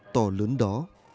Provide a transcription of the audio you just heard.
tòa lớn đó